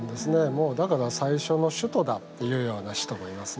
もうだから「最初の首都だ」って言うような人もいますね。